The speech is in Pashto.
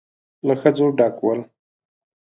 له ښځو ډک ول.